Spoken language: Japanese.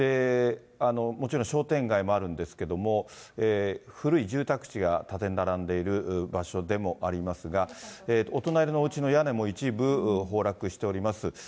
もちろん商店街もあるんですけど、古い住宅地が建て並んでいる場所でもありますが、お隣のおうちの屋根も一部崩落しております。